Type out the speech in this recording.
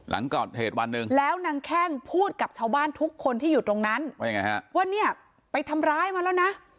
แล้วนางแข้งพูดกับชาวบ้านทุกคนที่อยู่ตรงนั้นว่าเนี่ยไปทำร้ายมาแล้วนะ